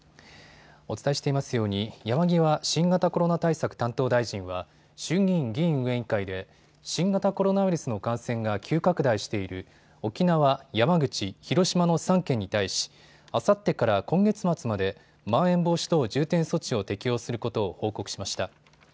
お伝えしていますように、山際新型コロナ対策担当大臣は、衆議院議院運営委員会で、新型コロナウイルスの感染が急拡大している沖縄、山口、広島の３県に対し、あさってから今月末まで、まん延防止等重点措置を適用することを報告しました。